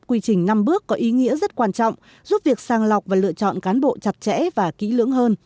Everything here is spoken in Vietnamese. quy trình năm bước có ý nghĩa rất quan trọng giúp việc sang lọc và lựa chọn cán bộ chặt chẽ và kỹ lưỡng hơn